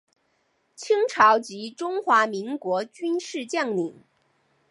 清朝及中华民国军事将领。